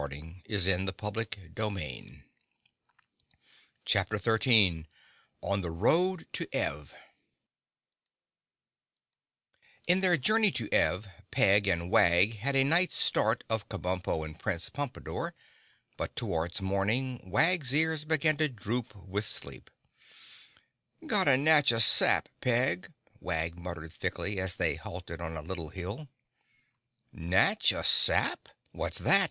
[Illustration: (unlabelled)] Chapter 13 On The Road To Ev In their journey to Ev, Peg and Wag had a night's start of Kabumpo and Prince Pompadore, but towards morning Wag's ears began to droop with sleep. "Gotta natch a sap, Peg," Wag muttered thickly, as they halted on a little hill. "Natch a sap? What's that?"